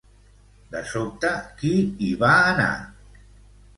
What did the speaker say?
De sobte, qui hi va anar?